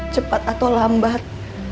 cepat atau lambat